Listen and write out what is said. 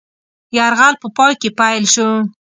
یرغل په پای کې پیل شو.